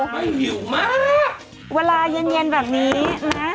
ไม่หิวมากเวลาเย็นแบบนี้นะ